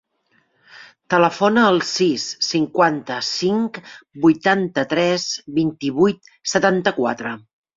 Telefona al sis, cinquanta-cinc, vuitanta-tres, vint-i-vuit, setanta-quatre.